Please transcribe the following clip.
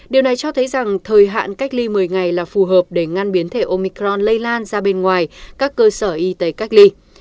điều này cho thấy rằng thời hạn cách ly một mươi ngày là phù hợp để ngăn biến thể omicron lây lan ra bên ngoài các cơ sở y tế cách ly